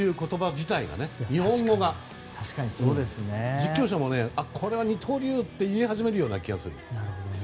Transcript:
実況者もこれは二刀流って言い始める気がする。